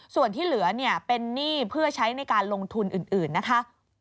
ส่วนที่เหลือเนี่ยเป็นหนี้เพื่อใช้ในการลงทุนอื่นนะคะ